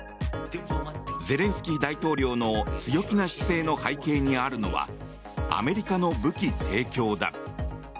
ゼレンスキー大統領の強気な姿勢の背景にあるのはアメリカの武器提供だ。